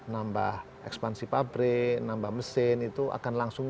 nambah ekspansi pabrik nambah mesin itu akan langsung